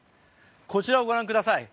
こちらをご覧ください